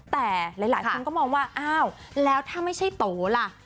แต่หลายคนก็มองว่าอ้าวแล้วถ้าไม่ใช่โตล่ะ